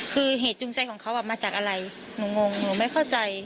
คือเหตุจูงใจของเขามาจากอะไรหนูงงหนูไม่เข้าใจ